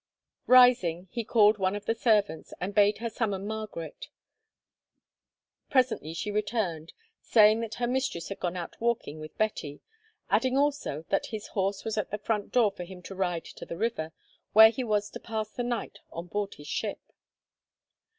Rising, he called one of the servants, and bade her summon Margaret. Presently she returned, saying that her mistress had gone out walking with Betty, adding also that his horse was at the door for him to ride to the river, where he was to pass the night on board his ship.